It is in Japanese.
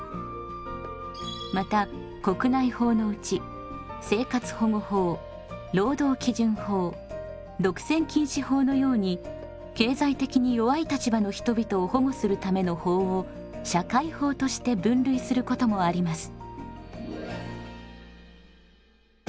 また国内法のうち生活保護法労働基準法独占禁止法のように経済的に弱い立場の人々を保護するための法を社会法として分類することもあります。